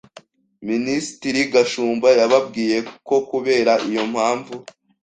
Minisitiri Gashumba yababwiye ko kubera iyo mpamvu